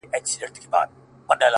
پرده به خود نو- گناه خوره سي-